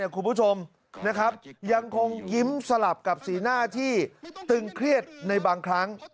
คุณผู้ชมยังคงยิ้มสลับกับสีหน้าที่ตึงเครียดในบางครั้ง